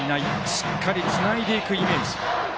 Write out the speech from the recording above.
しっかり、つないでいくイメージ。